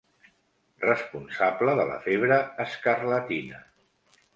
Responsable de la febre escarlatina.